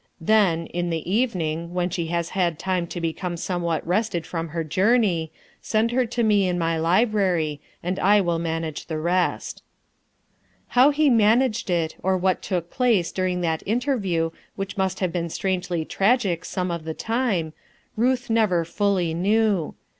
"Then in the evening, when she has had time to become somewhat rested from her journey, send her to me in my library and I 'will manage the rest/' How he managed it, or what took place during that interview which must have been strangely tragic some of the time, Ruth never fully knew.